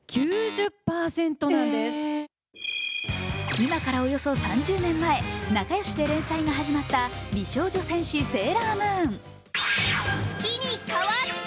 今からおよそ３０年前、「なかよし」で連載が始まった「美少女戦士セーラームーン」。